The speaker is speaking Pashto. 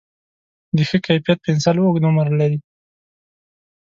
د ښه کیفیت پنسل اوږد عمر لري.